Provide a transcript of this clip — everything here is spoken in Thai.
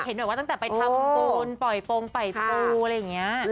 แบบว่าตั้งแต่ไปทำบุญปล่อยโปรงปล่อยปูอะไรอย่างนี้